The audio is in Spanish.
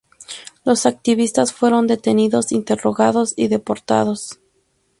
Los activistas fueron detenidos, interrogados y deportados.